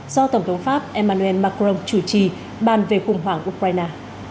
do tổng thống pháp emmanuel macron chủ trì bàn về khủng hoảng ukraine